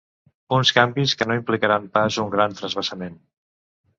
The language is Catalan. Uns canvis que no implicaran pas un gran transvasament.